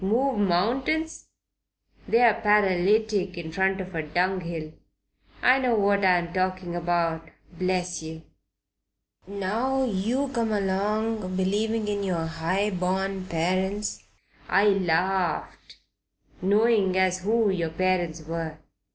Move mountains? They're paralytic in front of a dunghill. I know what I'm talking about, bless yer. Now you come along believing in yer 'igh born parents. I larfed, knowing as who yer parents were.